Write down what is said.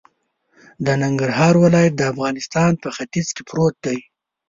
د ننګرهار ولایت د افغانستان په ختیځ کی پروت دی